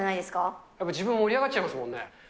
やっぱり、自分も盛り上がっちゃいますもんね。